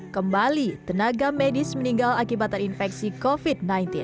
kembali tenaga medis meninggal akibat terinfeksi covid sembilan belas